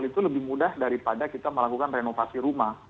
itu lebih mudah daripada kita melakukan renovasi rumah